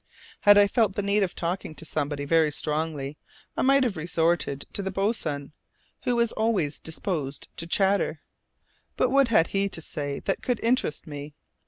Had I felt the need of talking to somebody very strongly, I might have resorted to the boatswain, who was always disposed to chatter; but what had he to say that could interest me?